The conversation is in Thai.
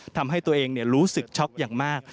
ทำให้ตัวเองรู้สึกช็อกอย่างมาก